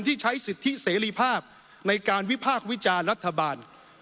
ที่ใช้สิทธิเสรีภาพในการวิพากษ์วิจารณ์รัฐบาล